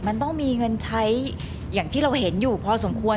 มันต้องมีเงินใช้อย่างที่เราเห็นอยู่พอสมควร